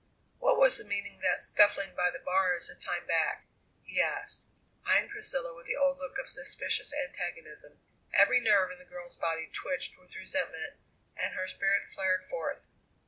"What was the meaning of that scuffling by the bars a time back?" he asked, eyeing Priscilla with the old look of suspicious antagonism. Every nerve in the girl's body twitched with resentment and her spirit flared forth.